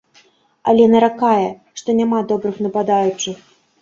Але наракае, што няма добрых нападаючых.